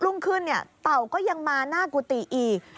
รุ่งขึ้นเนี่ยเต่าก็ยังมาหน้ากุฏิอีก